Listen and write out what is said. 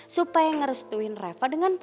supaya ngerestuin reva dengan